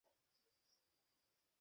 তাহলে, ওরা তাকেও ফাঁদে ফেলেছে।